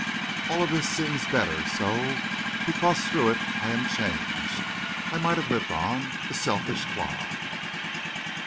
All of this seems better so, because through it I am changed. I might have lived on, a selfish clod!"